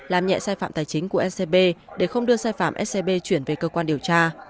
làm nhẹ sai phạm tài chính của scb để không đưa sai phạm scb chuyển về cơ quan điều tra